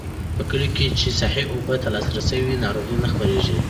په کليو کې چې صحي اوبو ته لاسرسی وي، ناروغۍ نه خپرېږي.